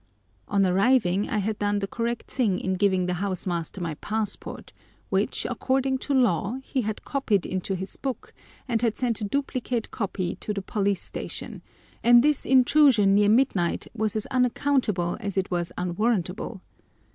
On arriving I had done the correct thing in giving the house master my passport, which, according to law, he had copied into his book, and had sent a duplicate copy to the police station, and this intrusion near midnight was as unaccountable as it was unwarrantable.